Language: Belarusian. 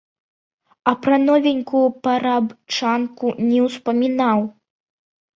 А пра новенькую парабчанку не ўспамінаў?